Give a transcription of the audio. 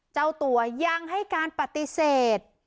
เจ้าตัวยังให้การปฏิเสธ